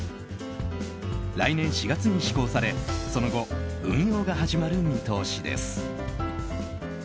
来年４月に施行されその後、運用が始まる見通しです。